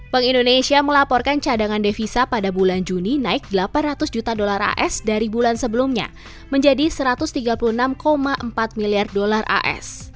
peng indonesia melaporkan cadangan devisa pada bulan juni naik delapan ratus juta dolar as